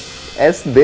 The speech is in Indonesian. oh udah masuk sd